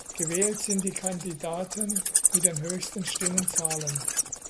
Gewählt sind die Kandidaten mit den höchsten Stimmenzahlen.